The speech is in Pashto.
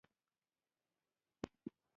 د کمونیسټ ګوند جوړېدو سره د حقیقت سفر پیلېږي.